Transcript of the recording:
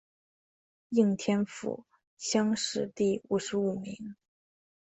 应天府乡试第五十五名。